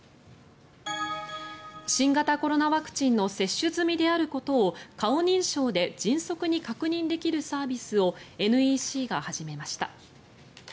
新型コロナワクチンの接種済みであることを顔認証で迅速に確認できるサービスをＮＥＣが始めました。